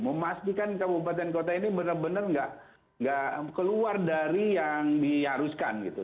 memastikan kabupaten kota ini benar benar nggak keluar dari yang diharuskan gitu